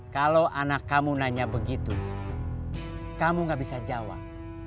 kalau anak kamu nanya begitu kamu gak bisa jawab